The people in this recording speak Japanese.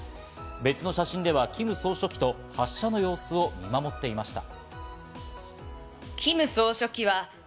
別の写真ではキム総書記と発射の様子を見守っていました。